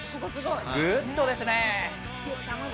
グッドですね。